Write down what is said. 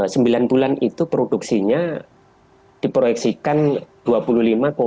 sembilan bulan itu produksinya diproyeksikan dua puluh lima enam puluh empat juta gabah kering giling